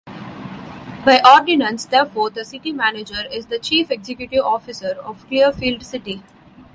By ordinance, therefore, the city manager is the chief executive officer of Clearfield City.